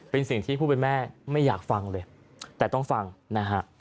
เป็นสิ่งที่ผู้เป็นแม่ไม่อยากฟังเลยแต่ต้องฟังนะฮะ